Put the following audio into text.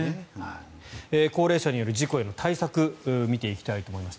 高齢者による事故への対策見ていきたいと思います。